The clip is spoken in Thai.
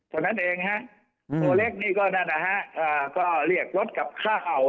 ตัวนั้นเองฮะตัวเล็กนี่ก็เรียกลดกับค่าเขา